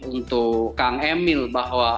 untuk kang emil bahwa